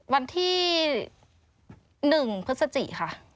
วันที่๑พฤศจิค่ะ